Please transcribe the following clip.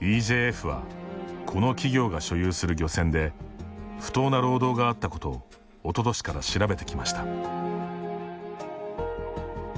ＥＪＦはこの企業が所有する漁船で不当な労働があったことをおととしから調べてきました。